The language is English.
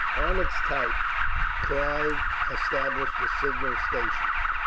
On its top, Clive established a signal station.